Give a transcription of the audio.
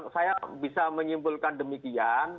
saya bisa menyimpulkan demikian